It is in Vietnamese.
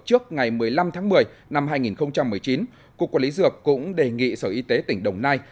trước ngày một mươi năm tháng một mươi năm hai nghìn một mươi chín cục quản lý dược cũng đề nghị sở y tế tỉnh đồng nai